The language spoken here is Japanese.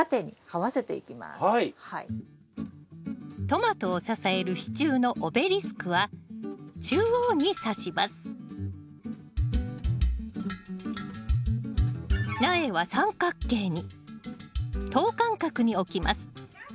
トマトを支える支柱のオベリスクは中央にさします苗は三角形に等間隔に置きます